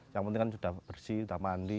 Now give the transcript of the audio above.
yang penting kan sudah bersih sudah mandi